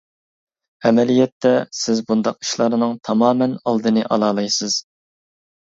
ئەمەلىيەتتە، سىز بۇنداق ئىشلارنىڭ تامامەن ئالدىنى ئالالايسىز.